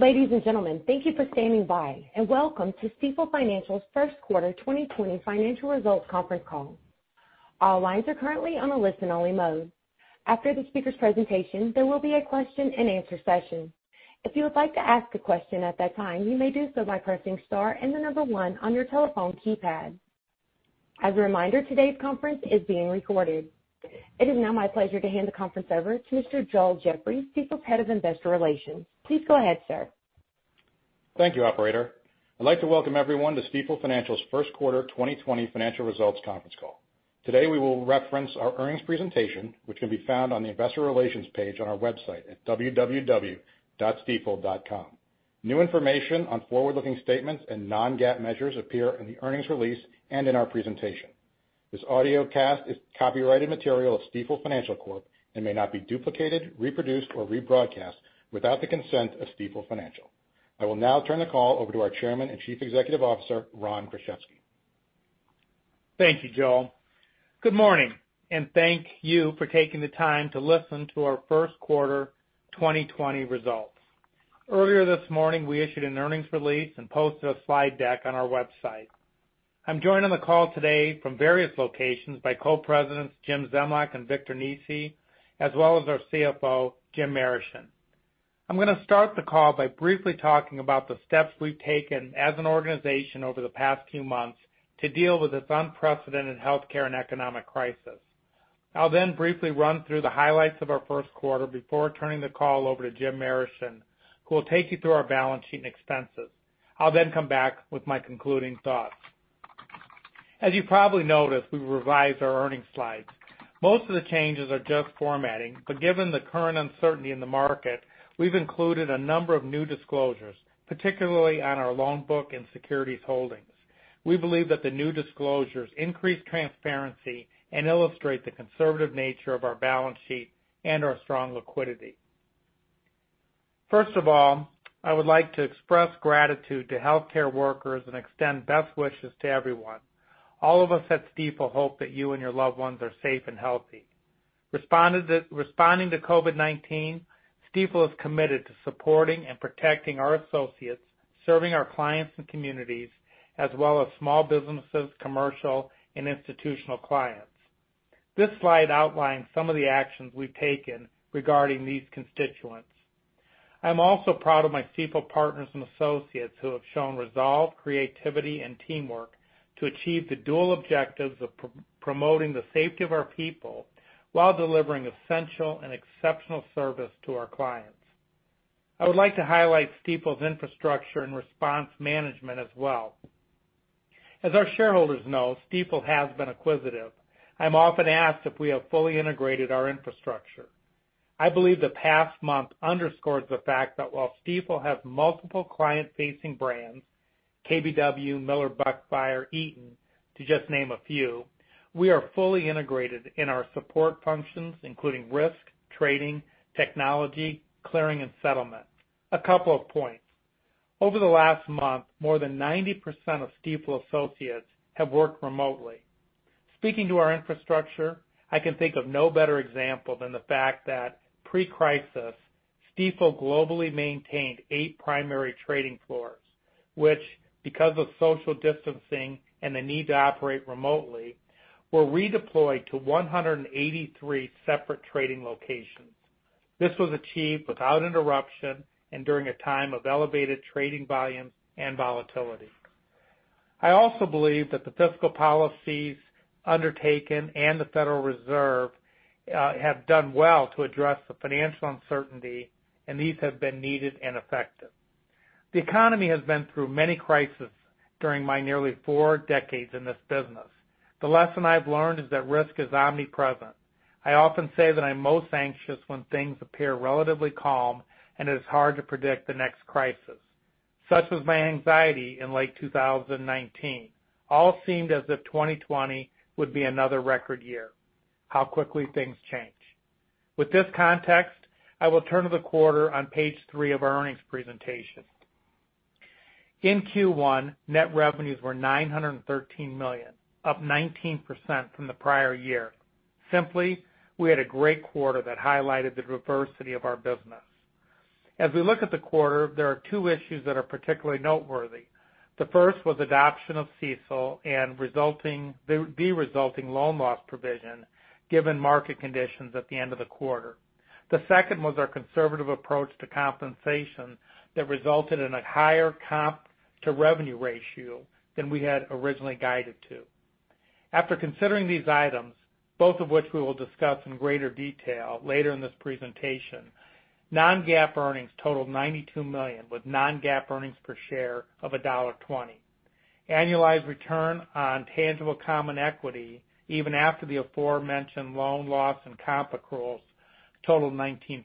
Ladies and gentlemen, thank you for standing by, and welcome to Stifel Financial's first quarter 2020 financial results conference call. All lines are currently on a listen-only mode. After the speaker's presentation, there will be a question-and-answer session. If you would like to ask a question at that time, you may do so by pressing star and the number one on your telephone keypad. As a reminder, today's conference is being recorded. It is now my pleasure to hand the conference over to Mr. Joel Jeffrey, Stifel's head of investor relations. Please go ahead, sir. Thank you, operator. I'd like to welcome everyone to Stifel Financial's first quarter 2020 financial results conference call. Today, we will reference our earnings presentation, which can be found on the investor relations page on our website at www.stifel.com. New information on forward-looking statements and non-GAAP measures appears in the earnings release and in our presentation. This audiocast is copyrighted material at Stifel Financial Corp and may not be duplicated, reproduced, or rebroadcast without the consent of Stifel Financial. I will now turn the call over to our Chairman and Chief Executive Officer, Ron Kruszewski. Thank you, Joel. Good morning, and thank you for taking the time to listen to our first quarter 2020 results. Earlier this morning, we issued an earnings release and posted a slide deck on our website. I'm joined on the call today from various locations by Co-Presidents Jim Zemlyak and Victor Nesi, as well as our CFO, Jim Marischen. I'm going to start the call by briefly talking about the steps we've taken as an organization over the past few months to deal with this unprecedented healthcare and economic crisis. I'll then briefly run through the highlights of our first quarter before turning the call over to Jim Marischen, who will take you through our balance sheet and expenses. I'll then come back with my concluding thoughts. As you probably noticed, we've revised our earnings slides. Most of the changes are just formatting, but given the current uncertainty in the market, we've included a number of new disclosures, particularly on our loan book and securities holdings. We believe that the new disclosures increase transparency and illustrate the conservative nature of our balance sheet and our strong liquidity. First of all, I would like to express gratitude to healthcare workers and extend best wishes to everyone. All of us at Stifel hope that you and your loved ones are safe and healthy. Responding to COVID-19, Stifel is committed to supporting and protecting our associates, serving our clients and communities, as well as small businesses, commercial, and institutional clients. This slide outlines some of the actions we've taken regarding these constituents. I'm also proud of my Stifel partners and associates who have shown resolve, creativity, and teamwork to achieve the dual objectives of promoting the safety of our people while delivering essential and exceptional service to our clients. I would like to highlight Stifel's infrastructure and response management as well. As our shareholders know, Stifel has been acquisitive. I'm often asked if we have fully integrated our infrastructure. I believe the past month underscored the fact that while Stifel has multiple client-facing brands, KBW, Miller Buckfire, Eaton, to just name a few, we are fully integrated in our support functions, including risk, trading, technology, clearing, and settlement. A couple of points. Over the last month, more than 90% of Stifel associates have worked remotely. Speaking to our infrastructure, I can think of no better example than the fact that pre-crisis, Stifel globally maintained eight primary trading floors, which, because of social distancing and the need to operate remotely, were redeployed to 183 separate trading locations. This was achieved without interruption and during a time of elevated trading volumes and volatility. I also believe that the fiscal policies undertaken and the Federal Reserve have done well to address the financial uncertainty, and these have been needed and effective. The economy has been through many crises during my nearly four decades in this business. The lesson I've learned is that risk is omnipresent. I often say that I'm most anxious when things appear relatively calm, and it is hard to predict the next crisis. Such was my anxiety in late 2019. All seemed as if 2020 would be another record year. How quickly things change. With this context, I will turn to the quarter on page three of our earnings presentation. In Q1, net revenues were $913 million, up 19% from the prior year. Simply, we had a great quarter that highlighted the diversity of our business. As we look at the quarter, there are two issues that are particularly noteworthy. The first was adoption of CECL and the resulting loan loss provision, given market conditions at the end of the quarter. The second was our conservative approach to compensation that resulted in a higher comp-to-revenue ratio than we had originally guided to. After considering these items, both of which we will discuss in greater detail later in this presentation, non-GAAP earnings totaled $92 million, with non-GAAP earnings per share of $1.20. Annualized return on tangible common equity, even after the aforementioned loan loss and comp accruals, totaled 19%.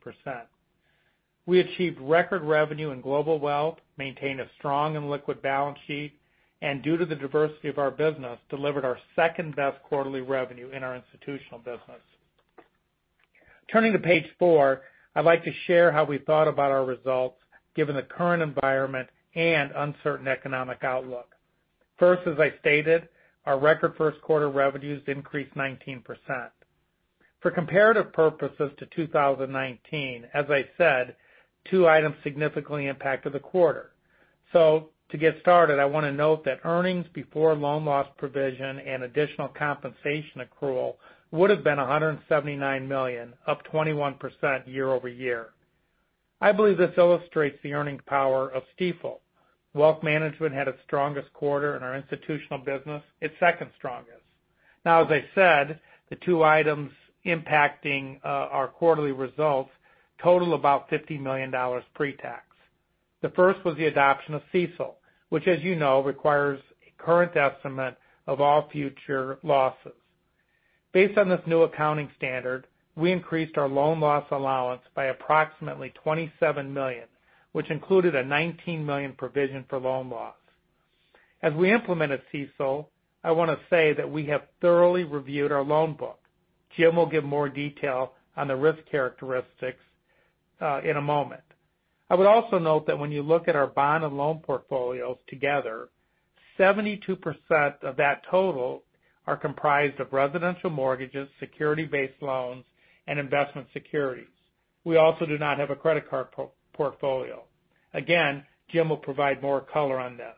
We achieved record revenue in global wealth, maintained a strong and liquid balance sheet, and due to the diversity of our business, delivered our second-best quarterly revenue in our institutional business. Turning to page four, I'd like to share how we thought about our results, given the current environment and uncertain economic outlook. First, as I stated, our record first quarter revenues increased 19%. For comparative purposes to 2019, as I said, two items significantly impacted the quarter. So, to get started, I want to note that earnings before loan loss provision and additional compensation accrual would have been $179 million, up 21% year-over-year. I believe this illustrates the earning power of Stifel. Wealth management had its strongest quarter in our institutional business. Its second strongest. Now, as I said, the two items impacting our quarterly results total about $50 million pre-tax. The first was the adoption of CECL, which, as you know, requires a current estimate of all future losses. Based on this new accounting standard, we increased our loan loss allowance by approximately $27 million, which included a $19 million provision for loan loss. As we implemented CECL, I want to say that we have thoroughly reviewed our loan book. Jim will give more detail on the risk characteristics in a moment. I would also note that when you look at our bond and loan portfolios together, 72% of that total are comprised of residential mortgages, securities-based loans, and investment securities. We also do not have a credit card portfolio. Again, Jim will provide more color on this.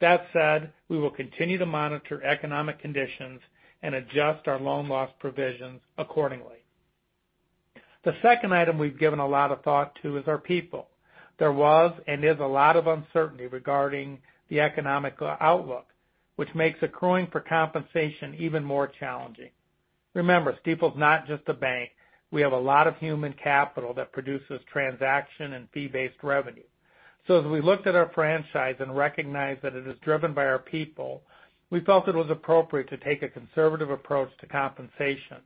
That said, we will continue to monitor economic conditions and adjust our loan loss provisions accordingly. The second item we've given a lot of thought to is our people. There was and is a lot of uncertainty regarding the economic outlook, which makes accruing for compensation even more challenging. Remember, Stifel is not just a bank. We have a lot of human capital that produces transaction and fee-based revenue. So, as we looked at our franchise and recognized that it is driven by our people, we felt it was appropriate to take a conservative approach to compensation.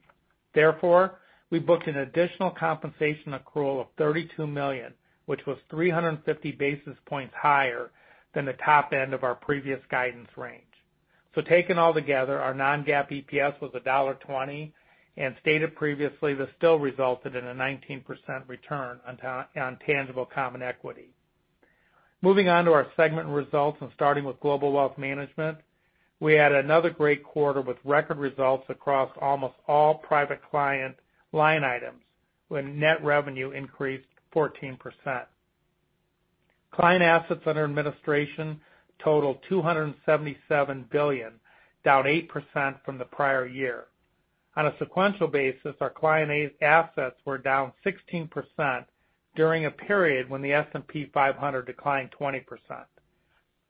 Therefore, we booked an additional compensation accrual of $32 million, which was 350 basis points higher than the top end of our previous guidance range. So, taken all together, our non-GAAP EPS was $1.20, and stated previously, this still resulted in a 19% return on tangible common equity. Moving on to our segment results and starting with Global Wealth Management, we had another great quarter with record results across almost all private client line items, with net revenue increased 14%. Client assets under administration totaled $277 billion, down 8% from the prior year. On a sequential basis, our client assets were down 16% during a period when the S&P 500 declined 20%.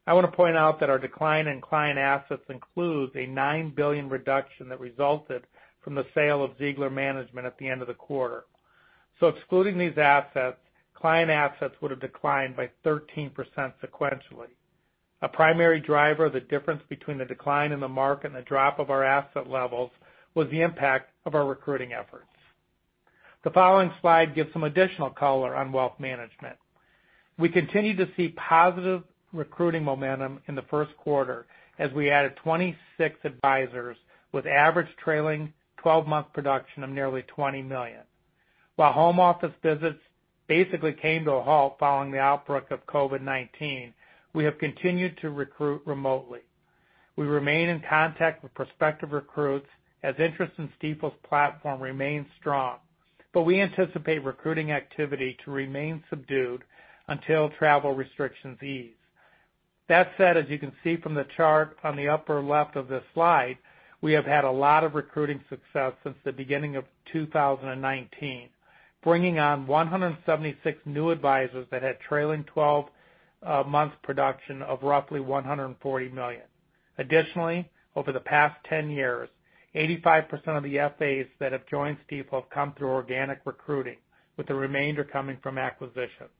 I want to point out that our decline in client assets includes a $9 billion reduction that resulted from the sale of Ziegler Capital Management at the end of the quarter. So, excluding these assets, client assets would have declined by 13% sequentially. A primary driver of the difference between the decline in the market and the drop of our asset levels was the impact of our recruiting efforts. The following slide gives some additional color on wealth management. We continued to see positive recruiting momentum in the first quarter as we added 26 advisors with average trailing 12-month production of nearly $20 million. While home office visits basically came to a halt following the outbreak of COVID-19, we have continued to recruit remotely. We remain in contact with prospective recruits as interest in Stifel's platform remains strong, but we anticipate recruiting activity to remain subdued until travel restrictions ease. That said, as you can see from the chart on the upper left of this slide, we have had a lot of recruiting success since the beginning of 2019, bringing on 176 new advisors that had trailing 12-month production of roughly $140 million. Additionally, over the past 10 years, 85% of the FAs that have joined Stifel have come through organic recruiting, with the remainder coming from acquisitions.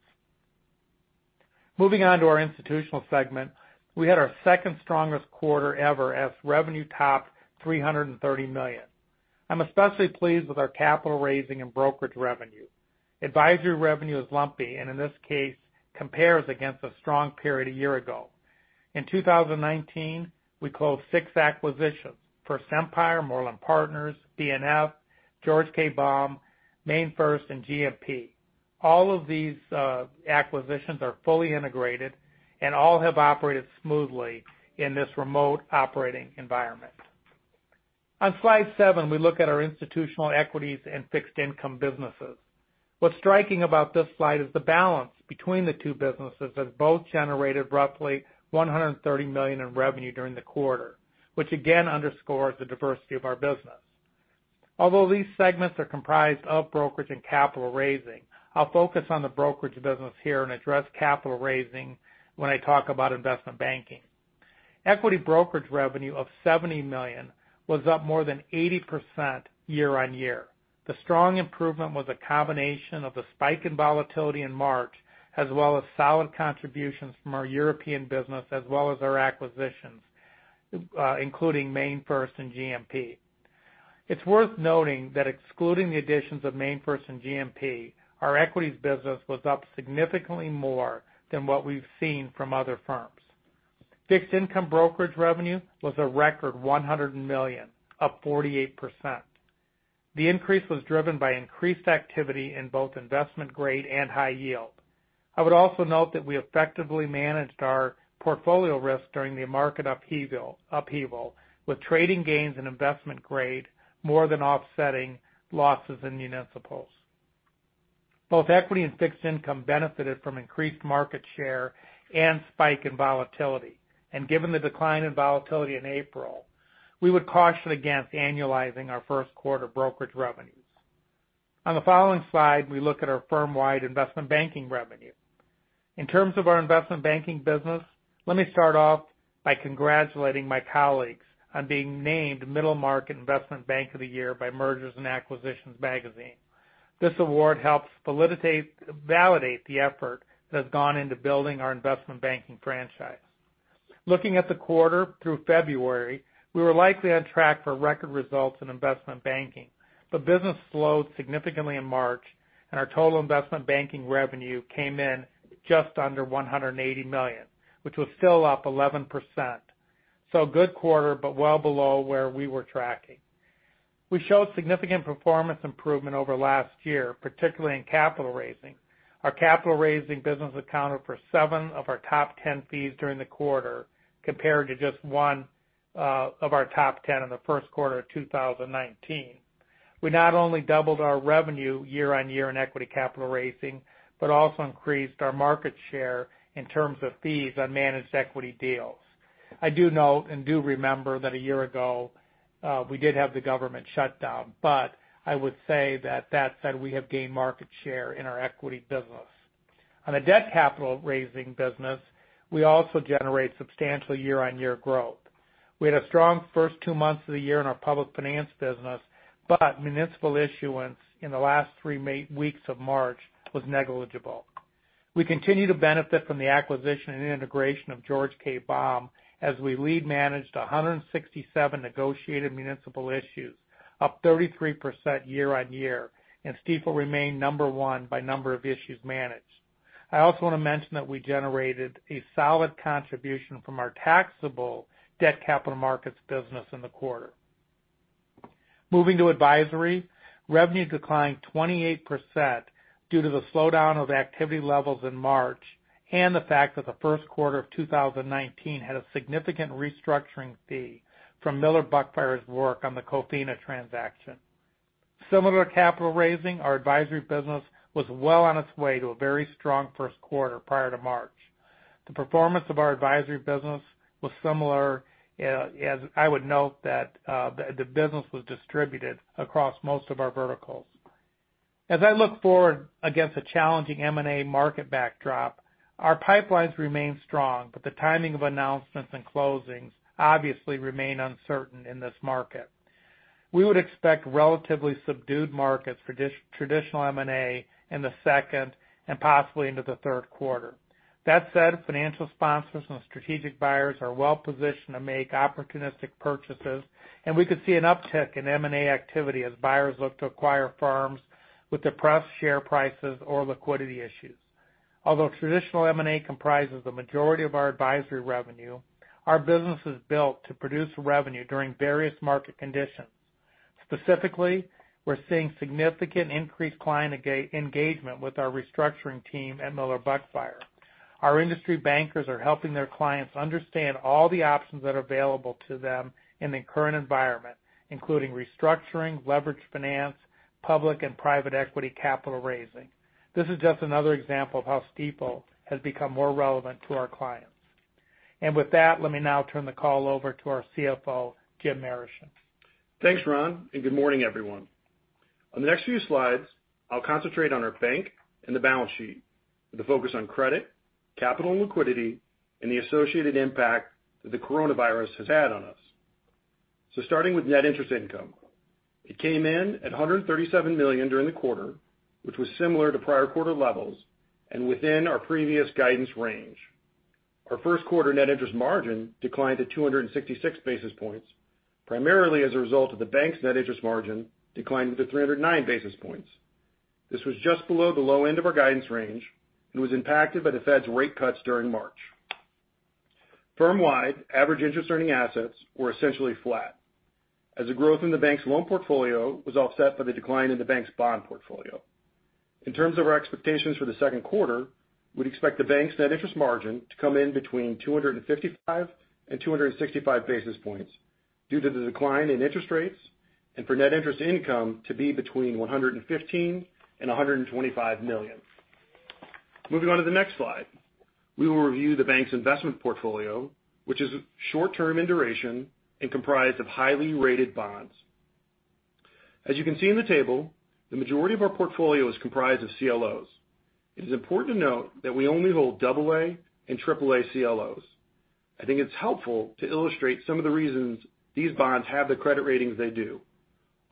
Moving on to our institutional segment, we had our second strongest quarter ever as revenue topped $330 million. I'm especially pleased with our capital raising and brokerage revenue. Advisory revenue is lumpy and, in this case, compares against a strong period a year ago. In 2019, we closed six acquisitions: First Empire, Mooreland Partners, B&F, George K. Baum, MainFirst, and GMP. All of these acquisitions are fully integrated and all have operated smoothly in this remote operating environment. On slide seven, we look at our institutional equities and fixed income businesses. What's striking about this slide is the balance between the two businesses, as both generated roughly $130 million in revenue during the quarter, which again underscores the diversity of our business. Although these segments are comprised of brokerage and capital raising, I'll focus on the brokerage business here and address capital raising when I talk about investment banking. Equity brokerage revenue of $70 million was up more than 80% year-on-year. The strong improvement was a combination of the spike in volatility in March, as well as solid contributions from our European business, as well as our acquisitions, including MainFirst and GMP. It's worth noting that excluding the additions of MainFirst and GMP, our equities business was up significantly more than what we've seen from other firms. Fixed income brokerage revenue was a record $100 million, up 48%. The increase was driven by increased activity in both investment grade and high yield. I would also note that we effectively managed our portfolio risk during the market upheaval, with trading gains in investment grade more than offsetting losses in municipals. Both equity and fixed income benefited from increased market share and spike in volatility, and given the decline in volatility in April, we would caution against annualizing our first quarter brokerage revenues. On the following slide, we look at our firm-wide investment banking revenue. In terms of our investment banking business, let me start off by congratulating my colleagues on being named Middle Market Investment Bank of the Year by Mergers & Acquisitions magazine. This award helps validate the effort that has gone into building our investment banking franchise. Looking at the quarter through February, we were likely on track for record results in investment banking, but business slowed significantly in March, and our total investment banking revenue came in just under $180 million, which was still up 11%, so a good quarter, but well below where we were tracking. We showed significant performance improvement over last year, particularly in capital raising. Our capital raising business accounted for seven of our top 10 fees during the quarter, compared to just one of our top 10 in the first quarter of 2019. We not only doubled our revenue year on year in equity capital raising, but also increased our market share in terms of fees on managed equity deals. I do note and do remember that a year ago, we did have the government shutdown, but I would say that that said, we have gained market share in our equity business. On the debt capital raising business, we also generate substantial year on year growth. We had a strong first two months of the year in our public finance business, but municipal issuance in the last three weeks of March was negligible. We continue to benefit from the acquisition and integration of George K. Baum as we lead managed 167 negotiated municipal issues, up 33% year on year, and Stifel remained number one by number of issues managed. I also want to mention that we generated a solid contribution from our taxable debt capital markets business in the quarter. Moving to advisory, revenue declined 28% due to the slowdown of activity levels in March and the fact that the first quarter of 2019 had a significant restructuring fee from Miller Buckfire's work on the COFINA transaction. Similar to capital raising, our advisory business was well on its way to a very strong first quarter prior to March. The performance of our advisory business was similar, as I would note that the business was distributed across most of our verticals. As I look forward against a challenging M&A market backdrop, our pipelines remain strong, but the timing of announcements and closings obviously remain uncertain in this market. We would expect relatively subdued markets for traditional M&A in the second and possibly into the third quarter. That said, financial sponsors and strategic buyers are well positioned to make opportunistic purchases, and we could see an uptick in M&A activity as buyers look to acquire firms with depressed share prices or liquidity issues. Although traditional M&A comprises the majority of our advisory revenue, our business is built to produce revenue during various market conditions. Specifically, we're seeing significant increased client engagement with our restructuring team at Miller Buckfire. Our industry bankers are helping their clients understand all the options that are available to them in the current environment, including restructuring, leveraged finance, public and private equity capital raising. This is just another example of how Stifel has become more relevant to our clients. And with that, let me now turn the call over to our CFO, Jim Marischen. Thanks, Ron, and good morning, everyone. On the next few slides, I'll concentrate on our bank and the balance sheet with a focus on credit, capital and liquidity, and the associated impact that the coronavirus has had on us. So, starting with net interest income, it came in at $137 million during the quarter, which was similar to prior quarter levels and within our previous guidance range. Our first quarter net interest margin declined to 266 basis points, primarily as a result of the bank's net interest margin declining to 309 basis points. This was just below the low end of our guidance range and was impacted by the Fed's rate cuts during March. Firm-wide, average interest-earning assets were essentially flat, as the growth in the bank's loan portfolio was offset by the decline in the bank's bond portfolio. In terms of our expectations for the second quarter, we'd expect the bank's net interest margin to come in between 255 and 265 basis points due to the decline in interest rates and for net interest income to be between $115 million and $125 million. Moving on to the next slide, we will review the bank's investment portfolio, which is short-term in duration and comprised of highly rated bonds. As you can see in the table, the majority of our portfolio is comprised of CLOs. It is important to note that we only hold AA and AAA CLOs. I think it's helpful to illustrate some of the reasons these bonds have the credit ratings they do.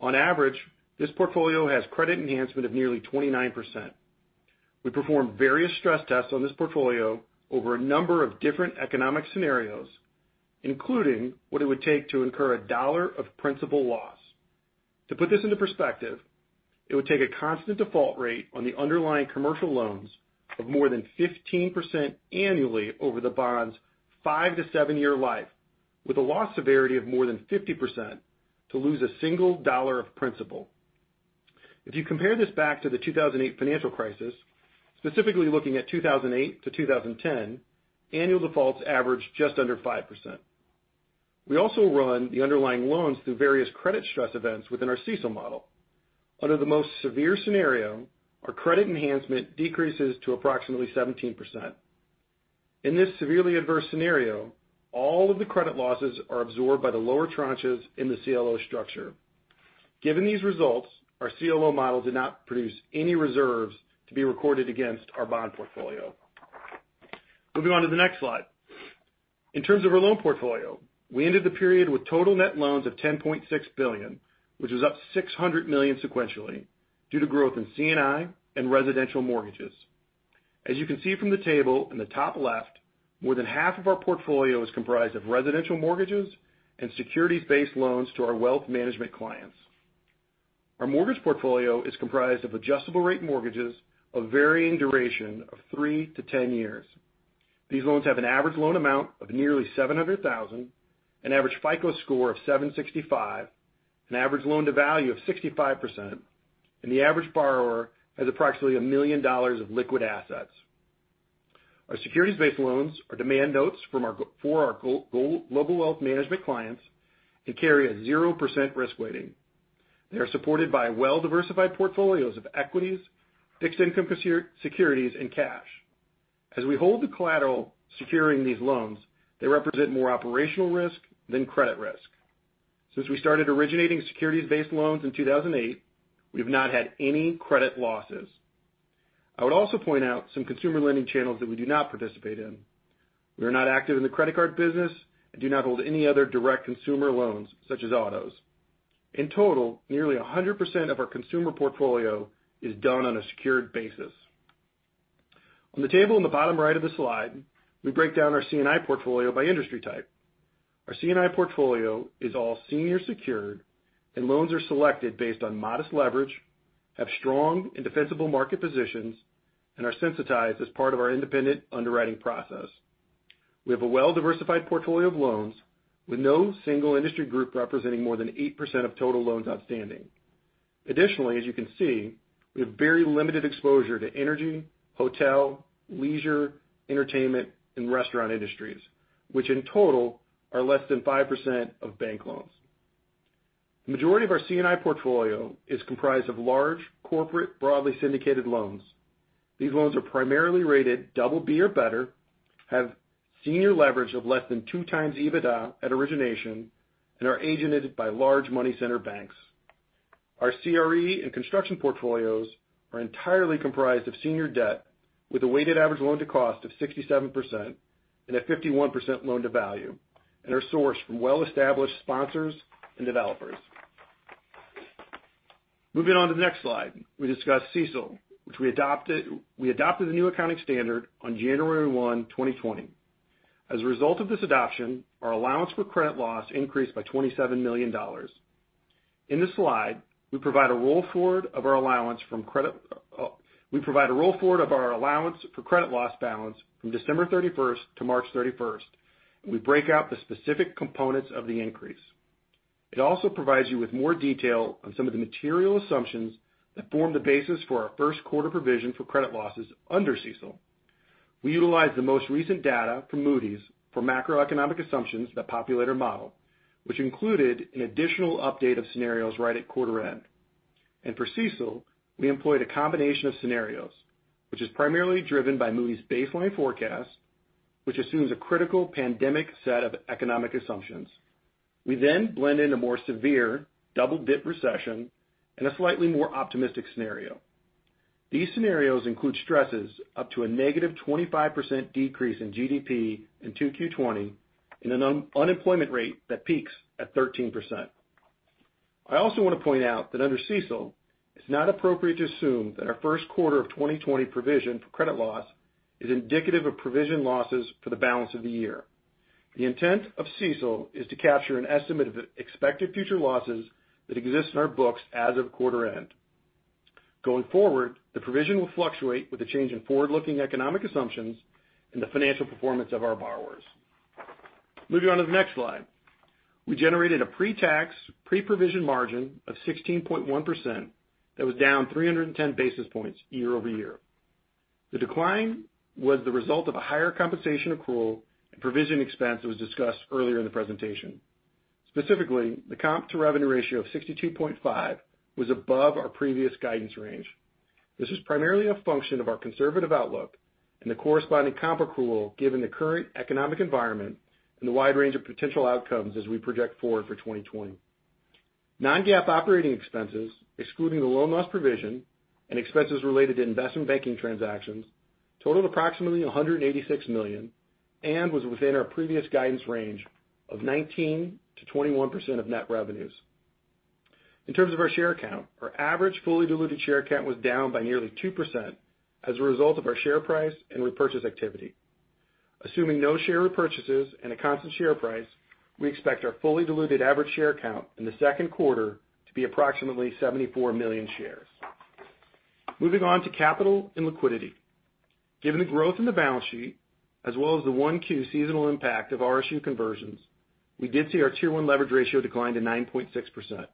On average, this portfolio has credit enhancement of nearly 29%. We performed various stress tests on this portfolio over a number of different economic scenarios, including what it would take to incur $1 of principal loss. To put this into perspective, it would take a constant default rate on the underlying commercial loans of more than 15% annually over the bond's five to seven-year life, with a loss severity of more than 50% to lose $1 of principal. If you compare this back to the 2008 financial crisis, specifically looking at 2008 to 2010, annual defaults averaged just under 5%. We also run the underlying loans through various credit stress events within our CECL model. Under the most severe scenario, our credit enhancement decreases to approximately 17%. In this severely adverse scenario, all of the credit losses are absorbed by the lower tranches in the CLO structure. Given these results, our CLO model did not produce any reserves to be recorded against our bond portfolio. Moving on to the next slide. In terms of our loan portfolio, we ended the period with total net loans of $10.6 billion, which was up $600 million sequentially due to growth in C&I and residential mortgages. As you can see from the table in the top left, more than half of our portfolio is comprised of residential mortgages and securities-based loans to our wealth management clients. Our mortgage portfolio is comprised of adjustable-rate mortgages of varying duration of three to 10 years. These loans have an average loan amount of nearly $700,000, an average FICO score of 765, an average loan-to-value of 65%, and the average borrower has approximately $1 million of liquid assets. Our securities-based loans are demand notes for our Global Wealth Management clients and carry a 0% risk weighting. They are supported by well-diversified portfolios of equities, fixed income securities, and cash. As we hold the collateral securing these loans, they represent more operational risk than credit risk. Since we started originating securities-based loans in 2008, we have not had any credit losses. I would also point out some consumer lending channels that we do not participate in. We are not active in the credit card business and do not hold any other direct consumer loans, such as autos. In total, nearly 100% of our consumer portfolio is done on a secured basis. On the table in the bottom right of the slide, we break down our C&I portfolio by industry type. Our C&I portfolio is all senior secured, and loans are selected based on modest leverage, have strong and defensible market positions, and are sensitized as part of our independent underwriting process. We have a well-diversified portfolio of loans, with no single industry group representing more than 8% of total loans outstanding. Additionally, as you can see, we have very limited exposure to energy, hotel, leisure, entertainment, and restaurant industries, which in total are less than 5% of bank loans. The majority of our C&I portfolio is comprised of large corporate broadly syndicated loans. These loans are primarily rated BB or better, have senior leverage of less than two times EBITDA at origination, and are agented by large money center banks. Our CRE and construction portfolios are entirely comprised of senior debt, with a weighted average loan-to-cost of 67% and a 51% loan-to-value, and are sourced from well-established sponsors and developers. Moving on to the next slide, we discuss CECL, which we adopted the new accounting standard on January 1, 2020. As a result of this adoption, our allowance for credit loss increased by $27 million. In this slide, we provide a roll forward of our allowance for credit loss balance from December 31st to March 31st, and we break out the specific components of the increase. It also provides you with more detail on some of the material assumptions that form the basis for our first quarter provision for credit losses under CECL. We utilize the most recent data from Moody's for macroeconomic assumptions that populate our model, which included an additional update of scenarios right at quarter end. For CECL, we employed a combination of scenarios, which is primarily driven by Moody's baseline forecast, which assumes a critical pandemic set of economic assumptions. We then blend in a more severe double-dip recession and a slightly more optimistic scenario. These scenarios include stresses up to a -25% decrease in GDP in Q2 2020 and an unemployment rate that peaks at 13%. I also want to point out that under CECL, it's not appropriate to assume that our first quarter of 2020 provision for credit loss is indicative of provision losses for the balance of the year. The intent of CECL is to capture an estimate of expected future losses that exist in our books as of quarter end. Going forward, the provision will fluctuate with a change in forward-looking economic assumptions and the financial performance of our borrowers. Moving on to the next slide, we generated a pre-tax, pre-provision margin of 16.1% that was down 310 basis points year-over-year. The decline was the result of a higher compensation accrual and provision expense that was discussed earlier in the presentation. Specifically, the comp-to-revenue ratio of 62.5% was above our previous guidance range. This is primarily a function of our conservative outlook and the corresponding comp accrual given the current economic environment and the wide range of potential outcomes as we project forward for 2020. Non-GAAP operating expenses, excluding the loan loss provision and expenses related to investment banking transactions, totaled approximately $186 million and was within our previous guidance range of 19%-21% of net revenues. In terms of our share count, our average fully diluted share count was down by nearly 2% as a result of our share price and repurchase activity. Assuming no share repurchases and a constant share price, we expect our fully diluted average share count in the second quarter to be approximately 74 million shares. Moving on to capital and liquidity. Given the growth in the balance sheet, as well as the 1Q seasonal impact of RSU conversions, we did see our Tier 1 leverage ratio decline to 9.6%.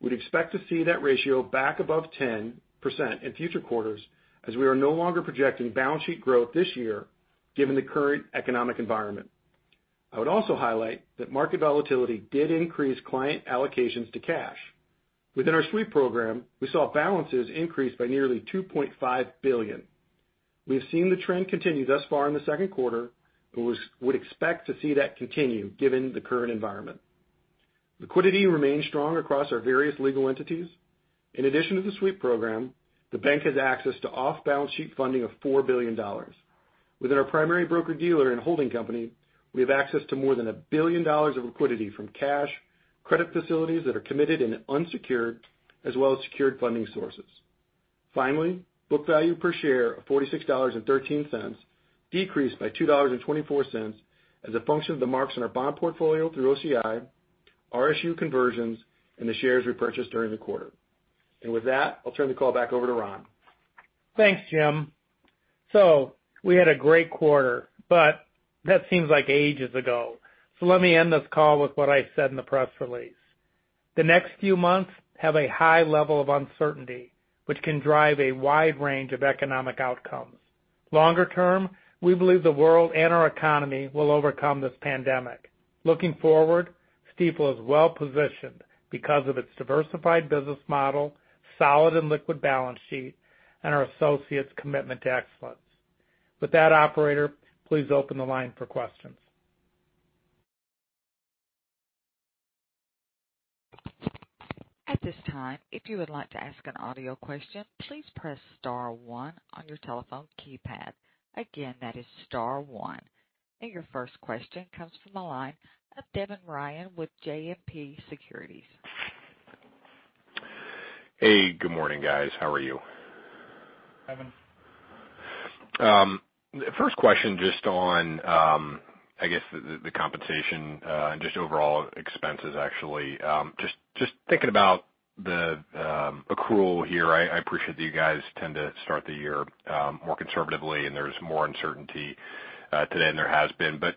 We'd expect to see that ratio back above 10% in future quarters as we are no longer projecting balance sheet growth this year given the current economic environment. I would also highlight that market volatility did increase client allocations to cash. Within our sweep program, we saw balances increase by nearly $2.5 billion. We have seen the trend continue thus far in the second quarter, but would expect to see that continue given the current environment. Liquidity remained strong across our various legal entities. In addition to the sweep program, the bank has access to off-balance sheet funding of $4 billion. Within our primary broker-dealer and holding company, we have access to more than a billion dollars of liquidity from cash, credit facilities that are committed and unsecured, as well as secured funding sources. Finally, book value per share of $46.13 decreased by $2.24 as a function of the marks in our bond portfolio through OCI, RSU conversions, and the shares repurchased during the quarter. And with that, I'll turn the call back over to Ron. Thanks, Jim. So we had a great quarter, but that seems like ages ago. So let me end this call with what I said in the press release. The next few months have a high level of uncertainty, which can drive a wide range of economic outcomes. Longer term, we believe the world and our economy will overcome this pandemic. Looking forward, Stifel is well positioned because of its diversified business model, solid and liquid balance sheet, and our associates' commitment to excellence. With that, operator, please open the line for questions. At this time, if you would like to ask an audio question, please press star one on your telephone keypad. Again, that is star one. And your first question comes from the line of Devin Ryan with JMP Securities. Hey, good morning, guys. How are you? First question just on, I guess, the compensation and just overall expenses, actually. Just thinking about the accrual here, I appreciate that you guys tend to start the year more conservatively, and there's more uncertainty today than there has been. But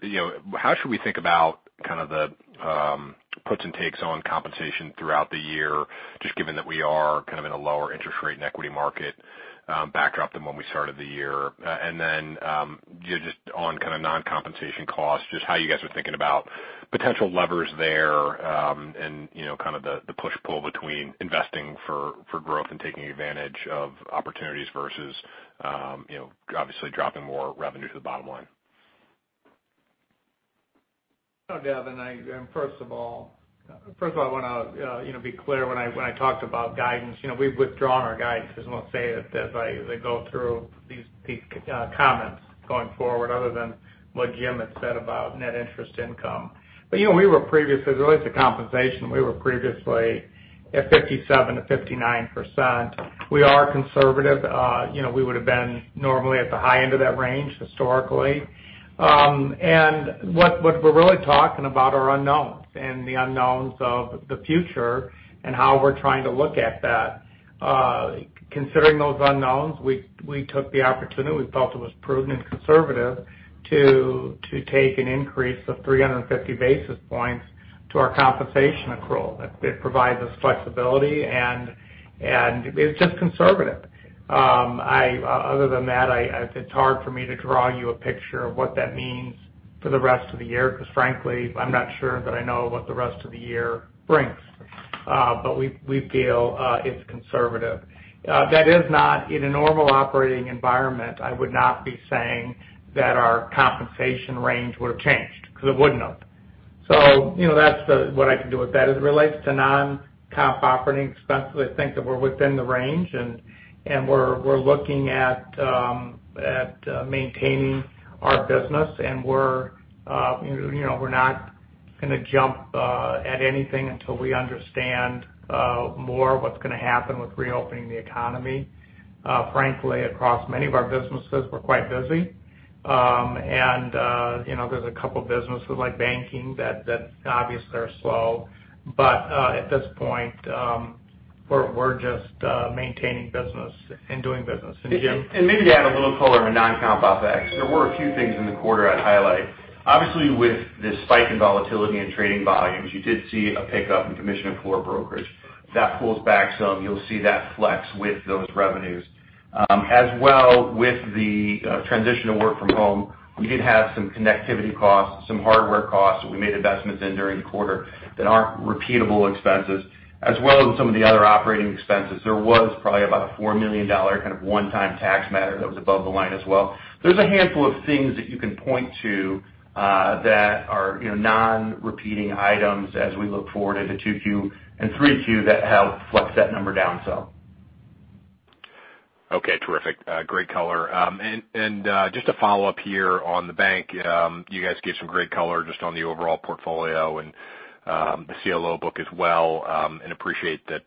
how should we think about kind of the puts and takes on compensation throughout the year, just given that we are kind of in a lower interest rate and equity market backdrop than when we started the year? And then just on kind of non-compensation costs, just how you guys are thinking about potential levers there and kind of the push-pull between investing for growth and taking advantage of opportunities versus, obviously, dropping more revenue to the bottom line? Devin, first of all, I want to be clear when I talked about guidance. We've withdrawn our guidance. I won't say that as I go through these comments going forward, other than what Jim had said about net interest income. But we were previously, at least the compensation, we were previously at 57%-59%. We are conservative. We would have been normally at the high end of that range historically, and what we're really talking about are unknowns and the unknowns of the future and how we're trying to look at that. Considering those unknowns, we took the opportunity. We felt it was prudent and conservative to take an increase of 350 basis points to our compensation accrual. It provides us flexibility, and it's just conservative. Other than that, it's hard for me to draw you a picture of what that means for the rest of the year because, frankly, I'm not sure that I know what the rest of the year brings, but we feel it's conservative. That is not, in a normal operating environment, I would not be saying that our compensation range would have changed because it wouldn't have, so that's what I can do with that. As it relates to non-comp operating expenses, I think that we're within the range, and we're looking at maintaining our business, and we're not going to jump at anything until we understand more what's going to happen with reopening the economy. Frankly, across many of our businesses, we're quite busy, and there's a couple of businesses like banking that obviously are slow. But at this point, we're just maintaining business and doing business. And maybe add a little color on non-comp OpEx. There were a few things in the quarter I'd highlight. Obviously, with the spike in volatility and trading volumes, you did see a pickup in commission and floor brokerage. That pulls back some. You'll see that flex with those revenues. As well with the transition to work from home, we did have some connectivity costs, some hardware costs that we made investments in during the quarter that aren't repeatable expenses. As well as some of the other operating expenses, there was probably about a $4 million kind of one-time tax matter that was above the line as well. There's a handful of things that you can point to that are non-repeating items as we look forward into 2Q and 3Q that help flex that number down some. Okay. Terrific. Great color. And just to follow up here on the bank, you guys gave some great color just on the overall portfolio and the CLO book as well and appreciate that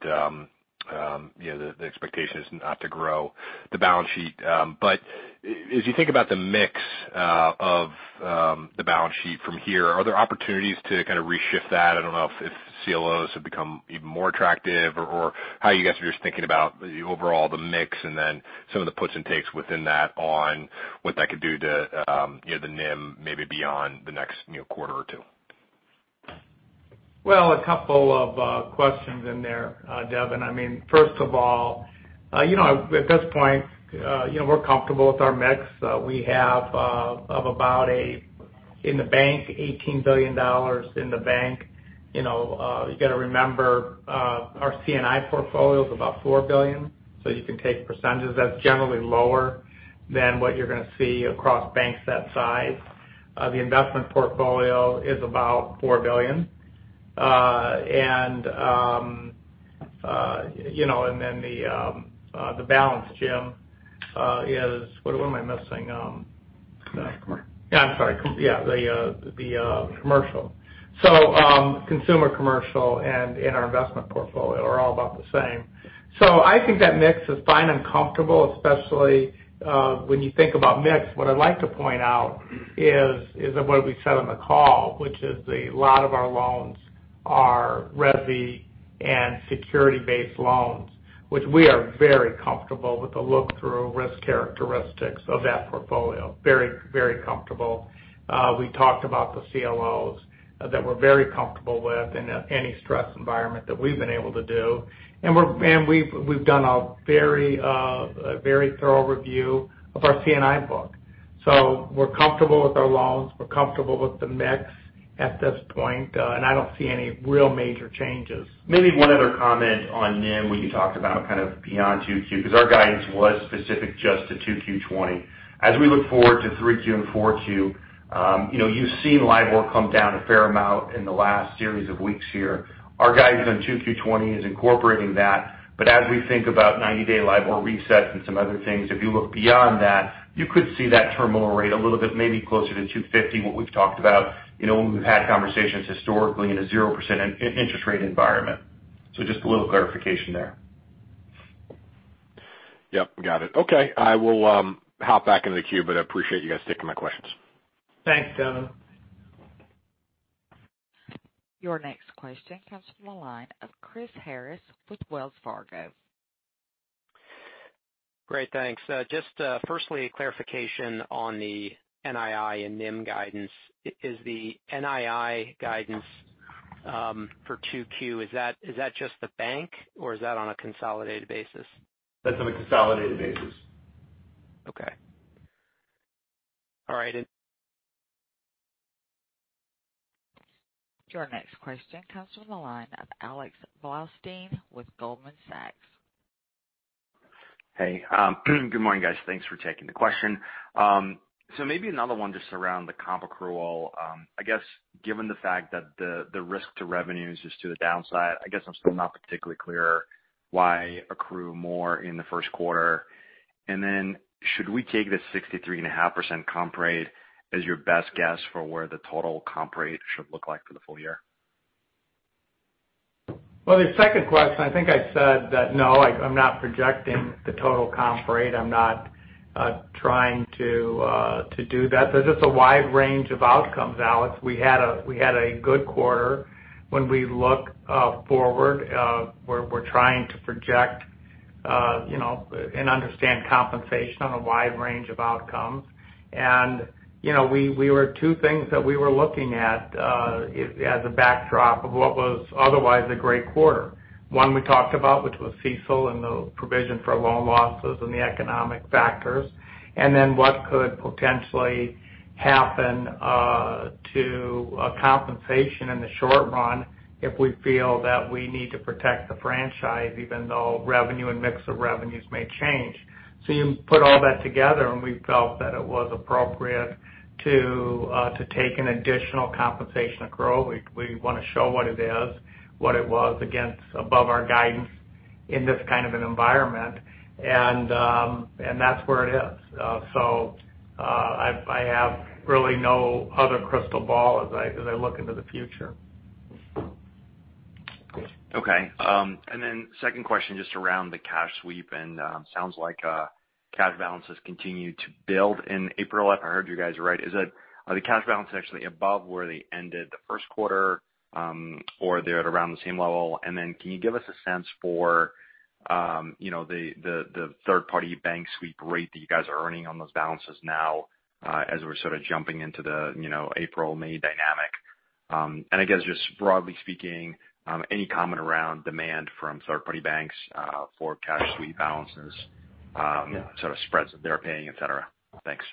the expectation is not to grow the balance sheet. But as you think about the mix of the balance sheet from here, are there opportunities to kind of reshift that? I don't know if CLOs have become even more attractive or how you guys are just thinking about overall the mix and then some of the puts and takes within that on what that could do to the NIM maybe beyond the next quarter or two. Well, a couple of questions in there, Devin. I mean, first of all, at this point, we're comfortable with our mix. We have about $18 billion in the bank. You got to remember our C&I portfolio is about $4 billion. So you can take percentages. That's generally lower than what you're going to see across banks that size. The investment portfolio is about $4 billion. And then the balance, Jim, is what am I missing? Yeah, I'm sorry. Yeah, the commercial. So consumer, commercial, and our investment portfolio are all about the same. So I think that mix is fine and comfortable, especially when you think about mix. What I'd like to point out is what we said on the call, which is a lot of our loans are retail and securities-based loans, which we are very comfortable with the look-through risk characteristics of that portfolio. Very, very comfortable. We talked about the CLOs that we're very comfortable with in any stress environment that we've been able to do. And we've done a very thorough review of our C&I book. So we're comfortable with our loans. We're comfortable with the mix at this point. And I don't see any real major changes. Maybe one other comment on NIM when you talked about kind of beyond Q2 because our guidance was specific just to 2Q 2020. As we look forward to 3Q and 4Q, you've seen LIBOR come down a fair amount in the last series of weeks here. Our guidance on 2Q 2020 is incorporating that. But as we think about 90-day LIBOR reset and some other things, if you look beyond that, you could see that terminal rate a little bit maybe closer to 250, what we've talked about when we've had conversations historically in a 0% interest rate environment. So just a little clarification there. Yep. Got it. Okay. I will hop back into the queue, but I appreciate you guys taking my questions. Thanks, Devin. Your next question comes from the line of Chris Harris with Wells Fargo. Great. Thanks. Just firstly, clarification on the NII and NIM guidance. Is the NII guidance for 2Q, is that just the bank, or is that on a consolidated basis? That's on a consolidated basis. Okay. All right. Your next question comes from the line of Alex Blostein with Goldman Sachs. Hey. Good morning, guys. Thanks for taking the question. So maybe another one just around the comp accrual. I guess given the fact that the risk to revenues is to the downside, I guess I'm still not particularly clear why accrue more in the first quarter. And then should we take the 63.5% comp rate as your best guess for where the total comp rate should look like for the full year? Well, the second question, I think I said that no, I'm not projecting the total comp rate. I'm not trying to do that. There's just a wide range of outcomes, Alex. We had a good quarter. When we look forward, we're trying to project and understand compensation on a wide range of outcomes. We were two things that we were looking at as a backdrop of what was otherwise a great quarter. One we talked about, which was CECL and the provision for loan losses and the economic factors. And then what could potentially happen to compensation in the short run if we feel that we need to protect the franchise, even though revenue and mix of revenues may change. So you put all that together, and we felt that it was appropriate to take an additional compensation accrual. We want to show what it is, what it was against above our guidance in this kind of an environment. And that's where it is. So I have really no other crystal ball as I look into the future. Okay. And then second question just around the cash sweep. And it sounds like cash balances continue to build in April. I heard you guys are right. Is the cash balance actually above where they ended the first quarter, or they're at around the same level? And then can you give us a sense for the third-party bank sweep rate that you guys are earning on those balances now as we're sort of jumping into the April, May dynamic? And I guess just broadly speaking, any comment around demand from third-party banks for cash sweep balances, sort of spreads that they're paying, etc.? Thanks.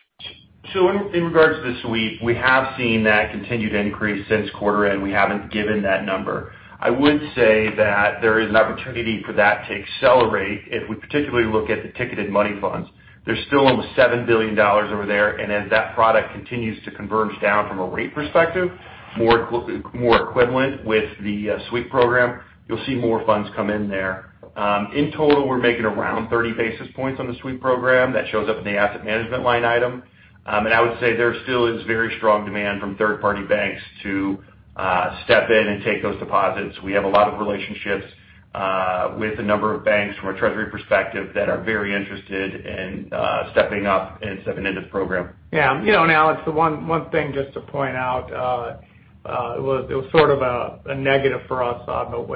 So in regards to the sweep, we have seen that continued increase since quarter end. We haven't given that number. I would say that there is an opportunity for that to accelerate if we particularly look at the ticketed money funds. There's still almost $7 billion over there. And as that product continues to converge down from a rate perspective, more equivalent with the sweep program, you'll see more funds come in there. In total, we're making around 30 basis points on the sweep program. That shows up in the asset management line item. And I would say there still is very strong demand from third-party banks to step in and take those deposits. We have a lot of relationships with a number of banks from a treasury perspective that are very interested in stepping up and stepping into the program. Yeah. And Alex, one thing just to point out, it was sort of a negative for us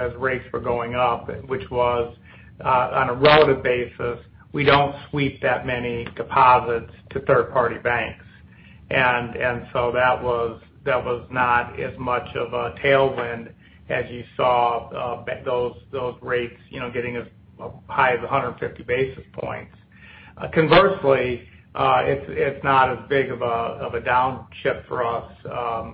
as rates were going up, which was on a relative basis, we don't sweep that many deposits to third-party banks. And so that was not as much of a tailwind as you saw those rates getting as high as 150 basis points. Conversely, it's not as big of a downshift for us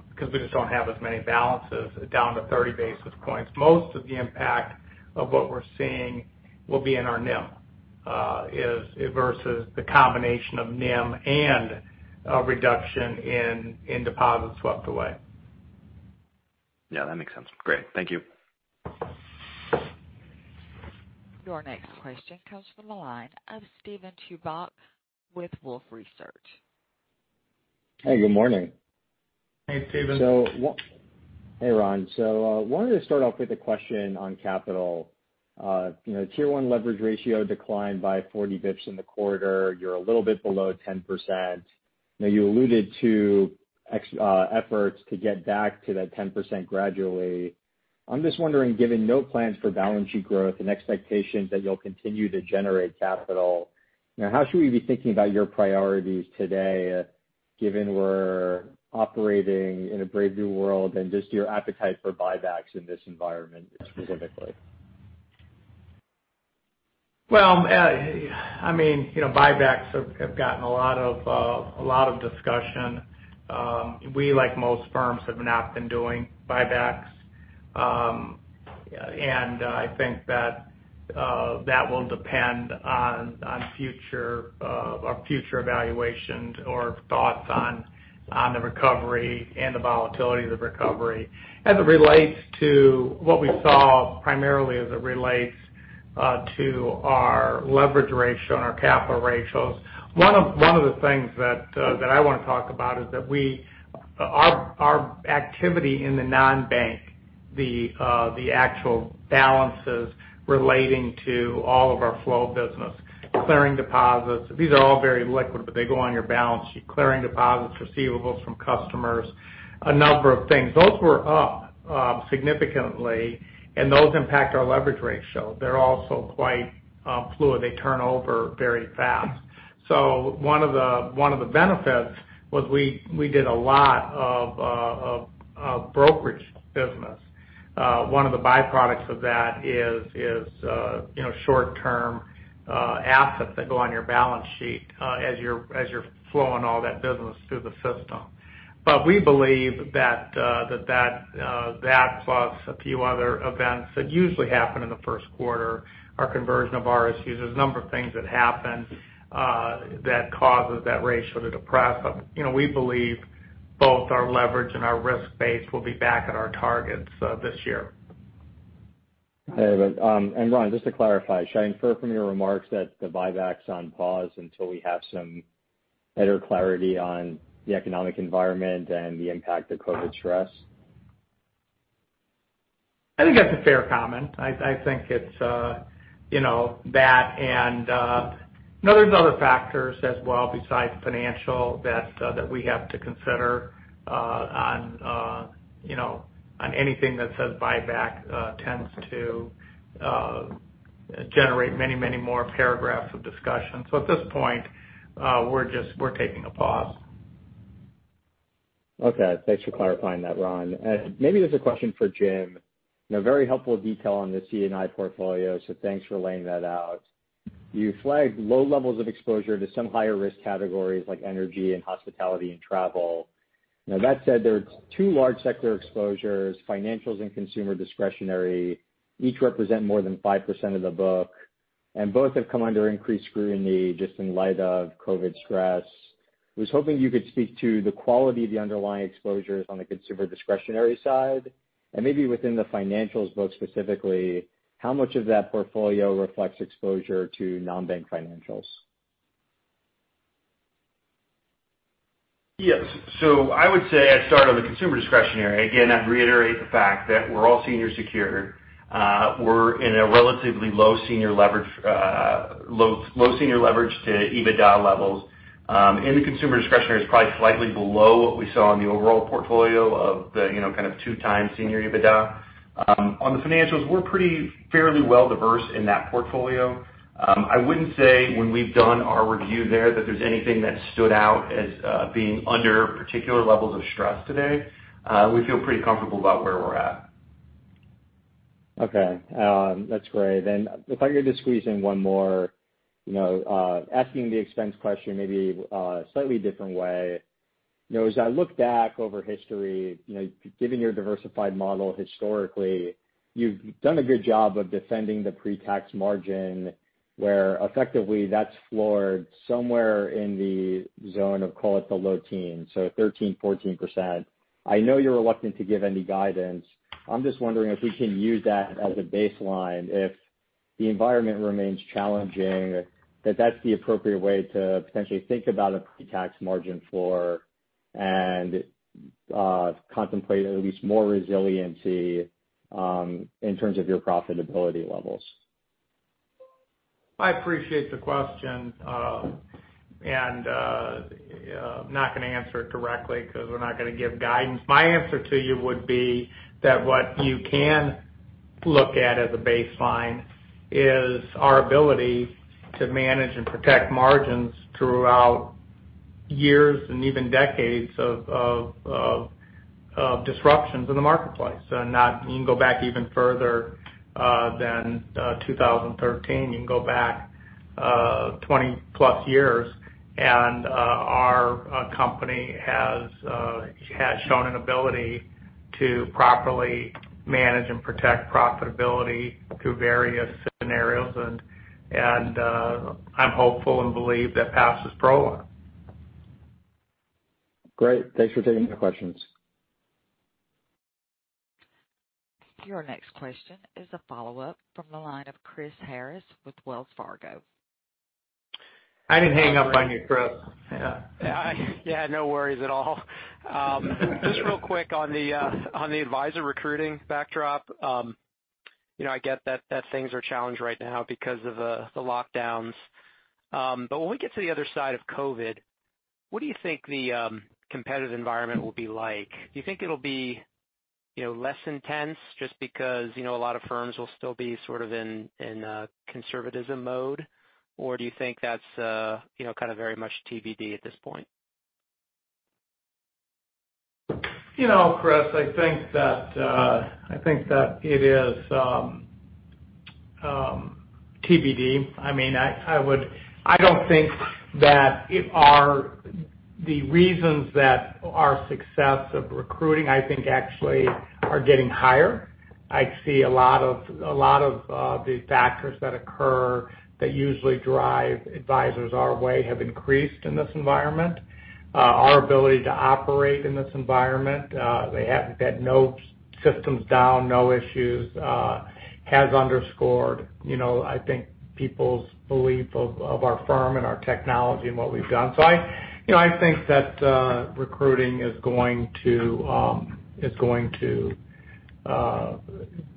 because we just don't have as many balances down to 30 basis points. Most of the impact of what we're seeing will be in our NIM versus the combination of NIM and a reduction in deposits swept away. Yeah. That makes sense. Great. Thank you. Your next question comes from the line of Steven Chubak with Wolfe Research. Hey. Good morning. Hey, Steven. Hey, Ron. So I wanted to start off with a question on capital. Tier 1 leverage ratio declined by 40 basis points in the quarter. You're a little bit below 10%. You alluded to efforts to get back to that 10% gradually. I'm just wondering, given no plans for balance sheet growth and expectations that you'll continue to generate capital, how should we be thinking about your priorities today given we're operating in a brave new world and just your appetite for buybacks in this environment specifically? Well, I mean, buybacks have gotten a lot of discussion. We, like most firms, have not been doing buybacks, and I think that that will depend on future evaluations or thoughts on the recovery and the volatility of the recovery. As it relates to what we saw, primarily as it relates to our leverage ratio and our capital ratios, one of the things that I want to talk about is that our activity in the non-bank, the actual balances relating to all of our flow of business, clearing deposits. These are all very liquid, but they go on your balance sheet. Clearing deposits, receivables from customers, a number of things. Those were up significantly, and those impact our leverage ratio. They're also quite fluid. They turn over very fast. So one of the benefits was we did a lot of brokerage business. One of the byproducts of that is short-term assets that go on your balance sheet as you're flowing all that business through the system. But we believe that that plus a few other events that usually happen in the first quarter, our conversion of RSUs, there's a number of things that happen that causes that ratio to depress. But we believe both our leverage and our risk-based will be back at our targets this year. And Ron, just to clarify, should I infer from your remarks that the buybacks on pause until we have some better clarity on the economic environment and the impact of COVID stress? I think that's a fair comment. I think it's that, and there's other factors as well besides financial that we have to consider on anything that says buyback tends to generate many, many more paragraphs of discussion, so at this point, we're taking a pause. Okay. Thanks for clarifying that, Ron, and maybe there's a question for Jim. Very helpful detail on the C&I portfolio, so thanks for laying that out. You flagged low levels of exposure to some higher risk categories like energy and hospitality and travel. Now, that said, there are two large sector exposures, financials and consumer discretionary, each represent more than 5% of the book, and both have come under increased scrutiny just in light of COVID stress. I was hoping you could speak to the quality of the underlying exposures on the consumer discretionary side. And maybe within the financials book specifically, how much of that portfolio reflects exposure to non-bank financials? Yes. So I would say I'd start on the consumer discretionary. Again, I'd reiterate the fact that we're all senior secured. We're in a relatively low senior leverage to EBITDA levels. In the consumer discretionary, it's probably slightly below what we saw in the overall portfolio of the kind of two times senior EBITDA. On the financials, we're fairly well diversified in that portfolio. I wouldn't say when we've done our review there that there's anything that stood out as being under particular levels of stress today. We feel pretty comfortable about where we're at. Okay. That's great. And if I could just squeeze in one more, asking the expense question maybe a slightly different way. As I look back over history, given your diversified model historically, you've done a good job of defending the pre-tax margin where effectively that's floored somewhere in the zone of, call it the low teens, so 13%-14%. I know you're reluctant to give any guidance. I'm just wondering if we can use that as a baseline if the environment remains challenging, that that's the appropriate way to potentially think about a pre-tax margin floor and contemplate at least more resiliency in terms of your profitability levels. I appreciate the question, and I'm not going to answer it directly because we're not going to give guidance. My answer to you would be that what you can look at as a baseline is our ability to manage and protect margins throughout years and even decades of disruptions in the marketplace, and you can go back even further than 2013. You can go back 20+ years, and our company has shown an ability to properly manage and protect profitability through various scenarios, and I'm hopeful and believe that past is prologue. Great. Thanks for taking the questions. Your next question is a follow-up from the line of Chris Harris with Wells Fargo. I didn't hang up on you, Chris. Yeah. No worries at all. Just real quick on the advisor recruiting backdrop. I get that things are challenged right now because of the lockdowns. But when we get to the other side of COVID, what do you think the competitive environment will be like? Do you think it'll be less intense just because a lot of firms will still be sort of in conservatism mode? Or do you think that's kind of very much TBD at this point? Chris, I think that it is TBD. I mean, I don't think that the reasons that our success of recruiting, I think, actually are getting higher. I see a lot of the factors that occur that usually drive advisors our way have increased in this environment. Our ability to operate in this environment, they have had no systems down, no issues, has underscored, I think, people's belief of our firm and our technology and what we've done. So I think that recruiting is going to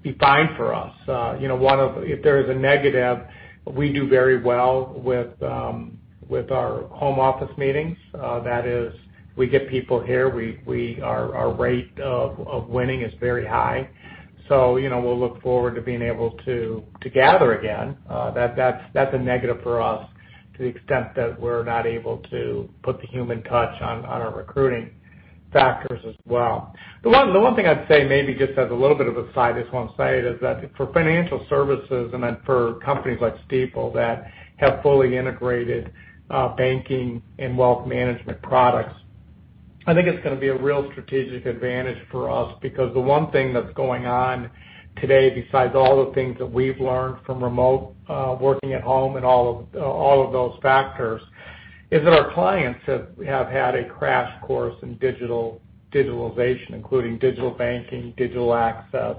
be fine for us. If there is a negative, we do very well with our home office meetings. That is, we get people here. Our rate of winning is very high. So we'll look forward to being able to gather again. That's a negative for us to the extent that we're not able to put the human touch on our recruiting factors as well. The one thing I'd say, maybe just as a little bit of an aside, on one side, is that for financial services and then for companies like Stifel that have fully integrated banking and wealth management products, I think it's going to be a real strategic advantage for us because the one thing that's going on today besides all the things that we've learned from remote working at home and all of those factors is that our clients have had a crash course in digitalization, including digital banking, digital access,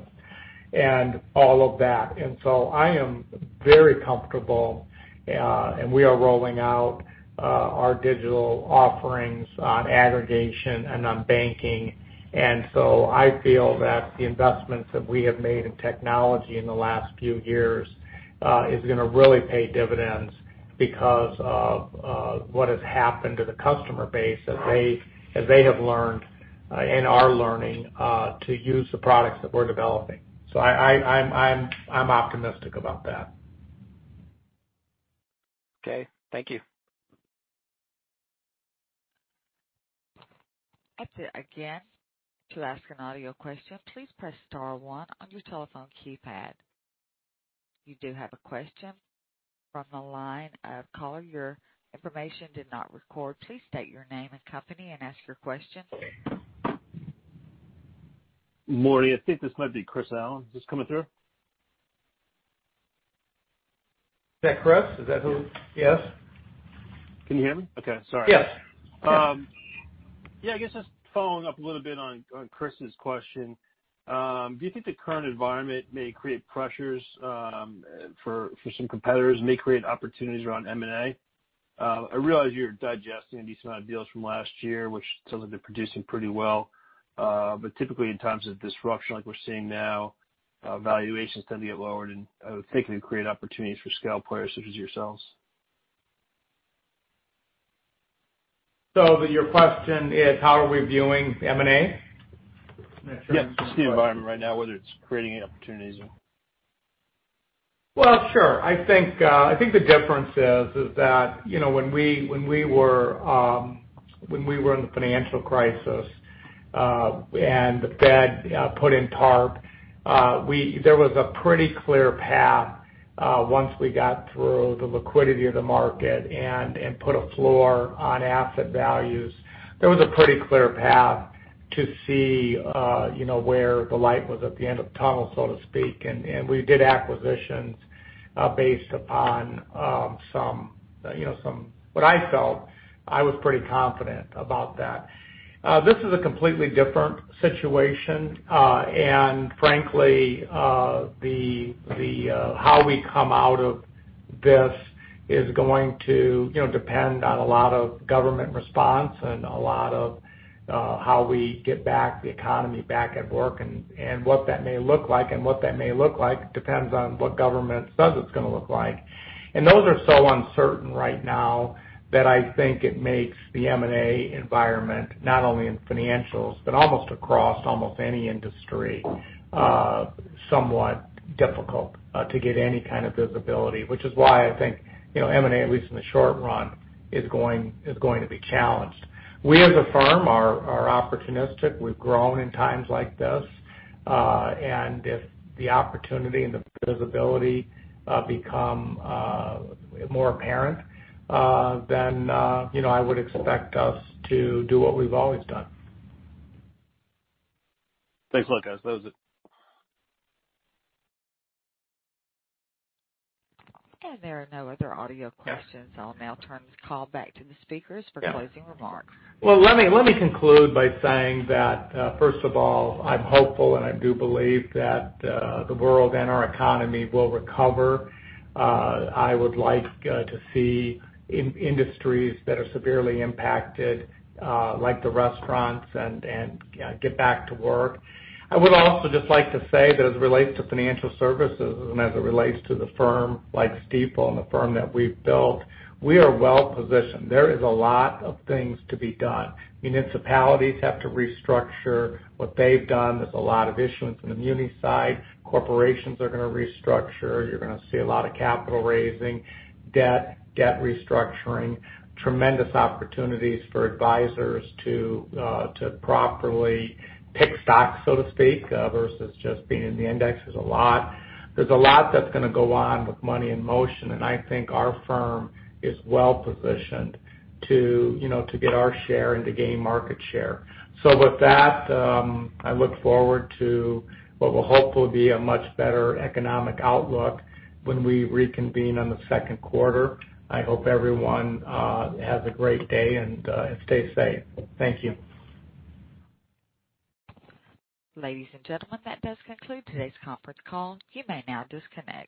and all of that, and so I am very comfortable and we are rolling out our digital offerings on aggregation and on banking. And so I feel that the investments that we have made in technology in the last few years is going to really pay dividends because of what has happened to the customer base as they have learned and are learning to use the products that we're developing. So I'm optimistic about that. Okay. Thank you. That's it again. To ask an audio question, please press star one on your telephone keypad. You do have a question from the line of caller. Your information did not record. Please state your name and company and ask your question. Morning. I think this might be Chris Allen. Is this coming through? Is that Chris? Is that who? Yes. Can you hear me? Okay. Sorry. Yes. Yeah. I guess just following up a little bit on Chris's question. Do you think the current environment may create pressures for some competitors and may create opportunities around M&A? I realize you're digesting a decent amount of deals from last year, which sounds like they're producing pretty well. But typically, in times of disruption like we're seeing now, valuations tend to get lowered. And I would think it would create opportunities for scale players such as yourselves. So your question is, how are we viewing M&A? Just the environment right now, whether it's creating opportunities or? Well, sure. I think the difference is that when we were in the financial crisis and the Fed put in TARP, there was a pretty clear path once we got through the liquidity of the market and put a floor on asset values. There was a pretty clear path to see where the light was at the end of the tunnel, so to speak. And we did acquisitions based upon somewhat what I felt. I was pretty confident about that. This is a completely different situation. And frankly, how we come out of this is going to depend on a lot of government response and a lot of how we get back the economy back at work. And what that may look like and what that may look like depends on what government says it's going to look like. And those are so uncertain right now that I think it makes the M&A environment, not only in financials but almost across almost any industry, somewhat difficult to get any kind of visibility, which is why I think M&A, at least in the short run, is going to be challenged. We, as a firm, are opportunistic. We've grown in times like this. If the opportunity and the visibility become more apparent, then I would expect us to do what we've always done. Thanks, Lucas. That was it. And there are no other audio questions. I'll now turn this call back to the speakers for closing remarks. Let me conclude by saying that, first of all, I'm hopeful and I do believe that the world and our economy will recover. I would like to see industries that are severely impacted, like the restaurants, get back to work. I would also just like to say that as it relates to financial services and as it relates to the firm like Stifel and the firm that we've built, we are well positioned. There is a lot of things to be done. Municipalities have to restructure what they've done. There's a lot of issues on the municipal corporations that are going to restructure. You're going to see a lot of capital raising, debt restructuring, tremendous opportunities for advisors to properly pick stocks, so to speak, versus just being in the index. There's a lot that's going to go on with money in motion. And I think our firm is well positioned to get our share and to gain market share. So with that, I look forward to what will hopefully be a much better economic outlook when we reconvene on the second quarter. I hope everyone has a great day and stay safe. Thank you. Ladies and gentlemen, that does conclude today's conference call. You may now disconnect.